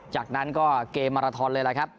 จากนั้นก็เกมมาราทอนเลยล่ะครับ